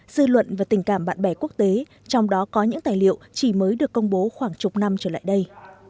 dư luận và tình cảm bạn bè quốc tế trong đó có những tài liệu chỉ mới được công bố khoảng chục năm trở lại đây